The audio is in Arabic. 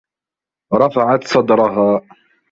رفعت صدرها.